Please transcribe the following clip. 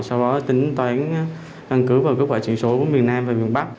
sau đó tính toán đăng cứu và kết quả truyền số của miền nam và miền bắc